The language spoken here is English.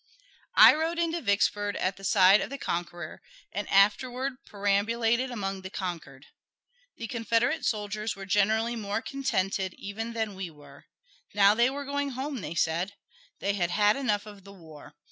I rode into Vicksburg at the side of the conqueror, and afterward perambulated among the conquered. The Confederate soldiers were generally more contented even than we were. Now they were going home, they said. They had had enough of the war.